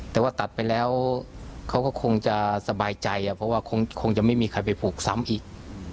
แต่ว่าตัดไปแล้วเขาก็คงจะสบายใจเพราะว่าคงจะไม่มีใครไปผูกซ้ำอีก